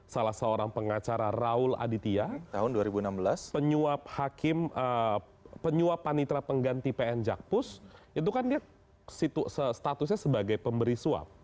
salah seorang pengacara raul aditya penyuap panitra pengganti pn jakpus itu kan dia statusnya sebagai pemberi suap